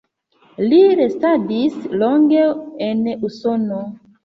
Li restadis longe en Usono.